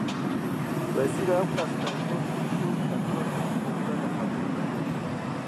Wezîr, ew qas tengav bû ku ketina helîkopterê qebûl nekir